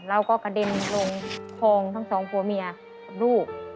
เราก็กระเด็นลงทองทั้ง๒ผัวเมียกับลูก